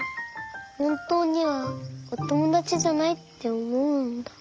ほんとうにはおともだちじゃないっておもうんだ。